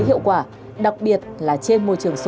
hiệu quả đặc biệt là trên môi trường số